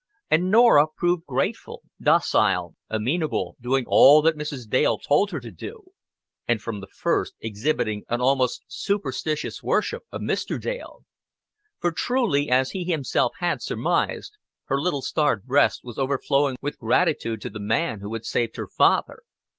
And Norah proved grateful, docile, amenable, doing all that Mrs. Dale told her to do; and from the first exhibiting an almost superstitious worship of Mr. Dale. For truly, as he himself had surmised, her little starved breast was overflowing with gratitude to the man who had saved her father.